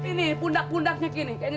ini pundak pundaknya gini